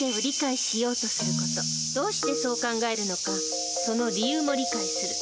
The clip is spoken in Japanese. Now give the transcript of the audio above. どうしてそう考えるのかその理由も理解する。